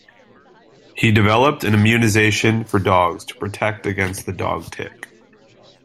He developed an immunization for dogs to protect against the dog-tick.